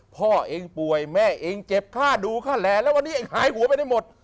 พ่อเองป่วยแม่เองเจ็บค่าดูค่าแหล่แล้ววันนี้เองหายหัวไปได้หมด